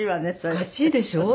おかしいでしょう？